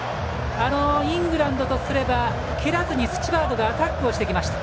イングランドとすれば蹴らずにスチュワードがアタックしてきました。